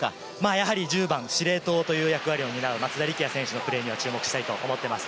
やはり１０番、司令塔という役割を担う松田力也選手のプレーには注目したいと思っています。